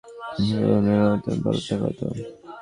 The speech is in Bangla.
তাঁকে উম্মে মাকতূম বলে ডাকা হত।